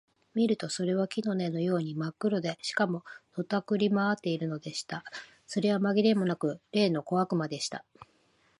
見るとそれは木の根のようにまっ黒で、しかも、のたくり廻っているのでした。それはまぎれもなく、例の小悪魔でした。